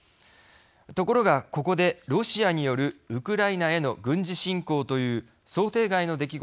ところがここでロシアによるウクライナへの軍事侵攻という想定外の出来事が起こります。